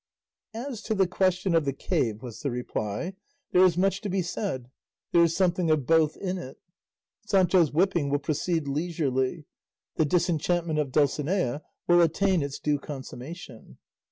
"As to the question of the cave," was the reply, "there is much to be said; there is something of both in it. Sancho's whipping will proceed leisurely. The disenchantment of Dulcinea will attain its due consummation."